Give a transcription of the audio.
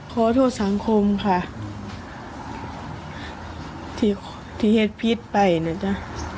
ขอโทษสังคมค่ะที่ที่เห็นพิษไปนะจ๊ะ